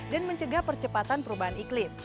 dan mencegah percepatan perubahan iklim